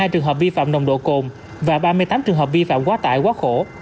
hai mươi trường hợp vi phạm nồng độ cồn và ba mươi tám trường hợp vi phạm quá tải quá khổ